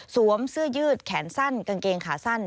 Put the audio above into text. เสื้อยืดแขนสั้นกางเกงขาสั้น